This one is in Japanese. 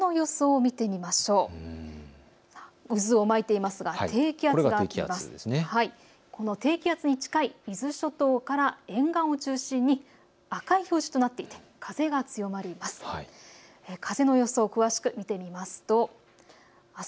この低気圧に近い伊豆諸島から沿岸を中心に赤い表示となっていて風が強まります。